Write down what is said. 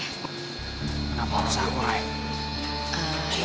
kenapa harus aku ray